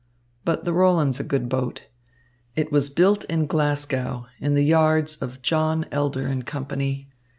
But the Roland's a good boat. It was built in Glasgow in the yards of John Elder and Company.